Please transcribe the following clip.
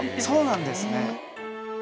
そうなんですね。